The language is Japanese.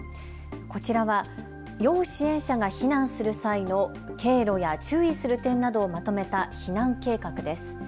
こちらは要支援者が避難する際の経路や注意する点などをまとめた避難計画です。